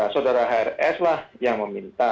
saudara hrs lah yang meminta